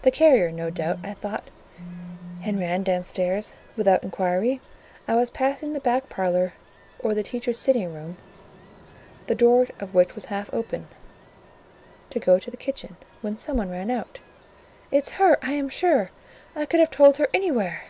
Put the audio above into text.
"The carrier, no doubt," I thought, and ran downstairs without inquiry. I was passing the back parlour or teachers' sitting room, the door of which was half open, to go to the kitchen, when some one ran out— "It's her, I am sure!—I could have told her anywhere!"